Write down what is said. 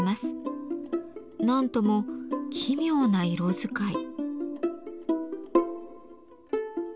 何とも奇妙な色使い。